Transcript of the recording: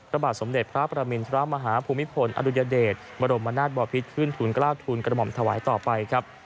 พระบาทสมเด็จพระประมินทรมาฮาภูมิพลอดุญเดชบรมนาศบอพิษขึ้นทุนกล้าทุนกระหม่อมถวายต่อไปครับ